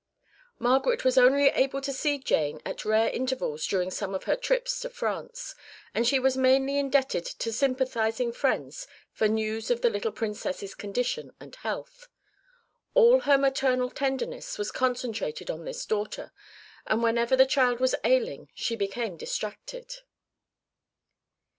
Margaret was only able to see Jane at rare intervals during some of her trips to France, and she was mainly indebted to sympathising friends for news of the little Princess's condition and health. All her maternal tenderness was concentrated on this daughter, and whenever the child was ailing she became distracted.